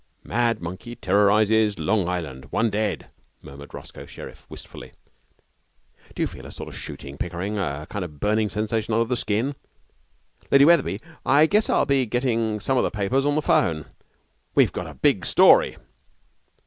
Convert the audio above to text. '"Mad Monkey Terrorizes Long Island. One Dead!"' murmured Roscoe Sherriff, wistfully. 'Do you feel a sort of shooting, Pickering a kind of burning sensation under the skin? Lady Wetherby, I guess I'll be getting some of the papers on the phone. We've got a big story.'